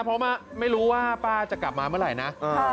เพราะว่าไม่รู้ว่าป้าจะกลับมาเมื่อไหร่นะ